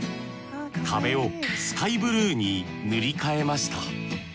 壁をスカイブルーに塗り替えました。